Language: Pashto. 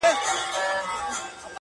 • ما ویل زه به ټول نغمه, نغمه سم,